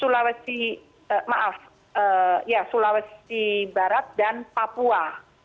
kalimantan selatan sulawesi barat dan papua